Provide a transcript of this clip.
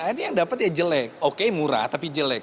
ini yang dapat ya jelek oke murah tapi jelek